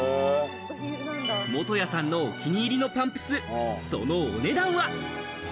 元谷さんのお気に入りのパンプス、そのお値段は。